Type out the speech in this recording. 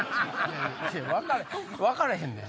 いや分かれへんねん。